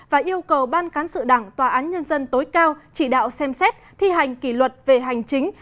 và yêu cầu ban cán sự đảng tòa án nhân dân tối cao chỉ đạo xem xét thi hành kỷ luật về hành chính